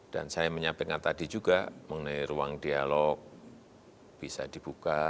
dan saya menyampaikan tadi juga mengenai ruang dialog bisa dibuka